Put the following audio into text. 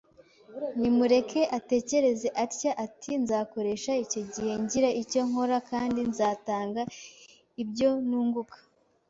Nimureke atekereze atya ati, “Nzakoresha icyo gihe ngira icyo nkora kandi nzatanga ibyo nunguka